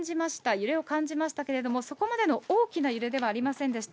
揺れを感じましたけれども、そこまでの大きな揺れではありませんでした。